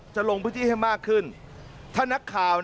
จะลงพื้นที่ให้มากขึ้นถ้านักข่าว